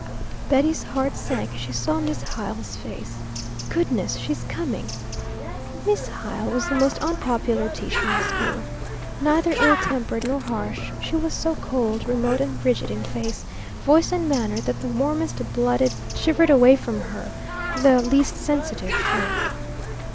Betty's heart sank as she saw Miss Hyle's face. "Goodness, she's coming!" Miss Hyle was the most unpopular teacher in school. Neither ill tempered nor harsh, she was so cold, remote and rigid in face, voice, and manner that the warmest blooded shivered away from her, the least sensitive shrank.